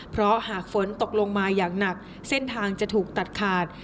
เพราะหากฝนตกลงมาอย่างหนักเส้นทางจะถูกตัดขาด